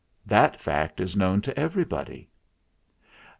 That fact is known to everybody."